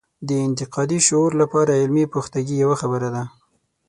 د انتقادي شعور لپاره علمي پختګي یوه خبره ده.